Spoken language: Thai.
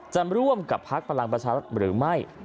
จะร่วมกับภาคพลังประชาธิบัติหรือไม่